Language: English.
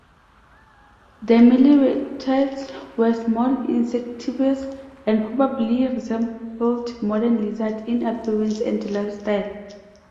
The millerettids were small insectivores and probably resembled modern lizards in appearance and lifestyle.